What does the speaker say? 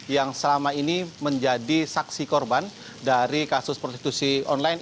yang selama ini menjadi saksi korban dari kasus prostitusi online